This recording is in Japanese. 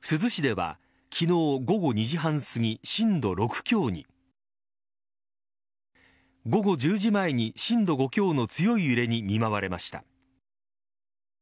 珠洲市では昨日午後２時半すぎ震度６強に午後１０時前に震度５強の強い揺れに見舞われました。